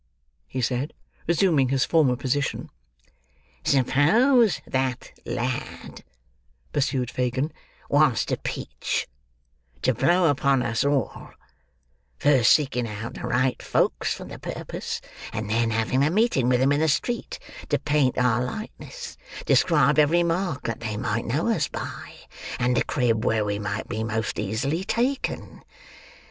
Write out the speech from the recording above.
he said, resuming his former position. "Suppose that lad," pursued Fagin, "was to peach—to blow upon us all—first seeking out the right folks for the purpose, and then having a meeting with 'em in the street to paint our likenesses, describe every mark that they might know us by, and the crib where we might be most easily taken.